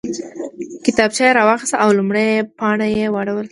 کتابچه یې راواخیسته او لومړۍ پاڼه یې واړوله